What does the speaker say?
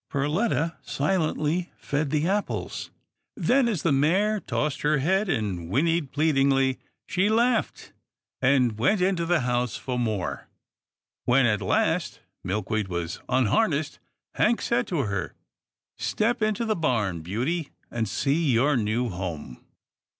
Perletta silently fed the apples, then, as the mare tossed her head, and whinnied pleadingly, she laughed, and went into the house for more. When at last Milkweed was unharnessed. Hank said to her, " Step into the barn, beauty, and see your new home."